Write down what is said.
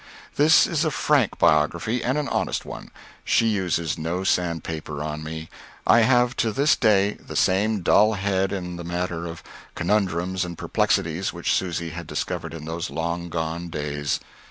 This is a frank biographer, and an honest one; she uses no sand paper on me. I have, to this day, the same dull head in the matter of conundrums and perplexities which Susy had discovered in those long gone days.